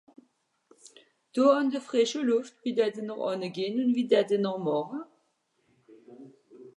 Do àn de frìsche Lùft, wie dätte-n-r ànne gehn ùn wie dätte-n-r màche.